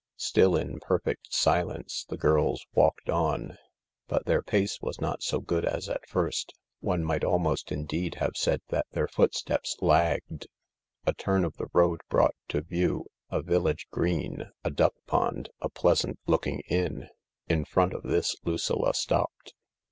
Still in perfect silence the girls walked on. But their pace was not so good as at first — one might almost indeed have said that their footsteps lagged. A turn of the road brought to view a village green, a duck pond, a pleasant looking inn. In front of this Lucilla stopped.